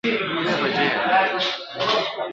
ځکه خو د مور او کوشنی و تړون ته